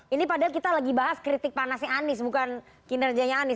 ini padahal kita lagi bahas kritik panasnya anies bukan kinerjanya anies